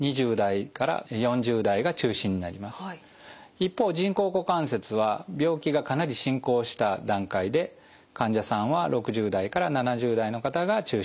一方人工股関節は病気がかなり進行した段階で患者さんは６０代から７０代の方が中心となります。